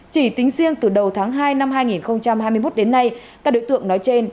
chỉ tính riêng từ đầu tháng hai năm hai nghìn hai mươi một đến nay các đối tượng nói trên